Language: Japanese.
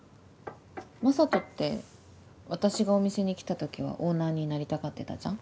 Ｍａｓａｔｏって私がお店に来たときはオーナーになりたがってたじゃん。